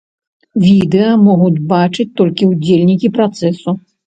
Відэа могуць бачыць толькі ўдзельнікі працэсу.